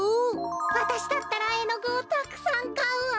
わたしだったらえのぐをたくさんかうわ！